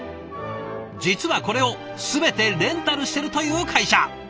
実はこれを全てレンタルしてるという会社。